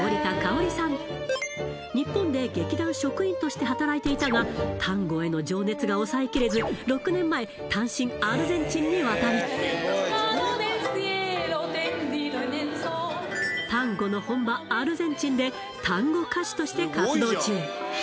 日本で劇団職員として働いていたがタンゴへの情熱が抑えきれず６年前単身アルゼンチンに渡りタンゴの本場アルゼンチンでタンゴ歌手として活動中